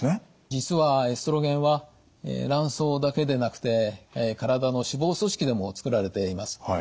実はエストロゲンは卵巣だけでなくて体の脂肪組織でもつくられています。